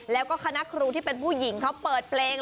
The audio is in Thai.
แล้วก็คณะครูที่เป็นผู้หญิงเขาเปิดเพลง